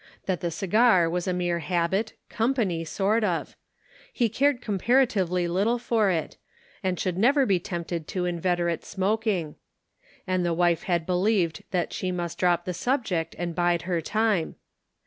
99 that the cigar was a mere habit, company, sort of; he cared comparatively little for it, and should never be tempted to inveterate smoking ; and the wife had believed that she must drop the subject and bide her tune.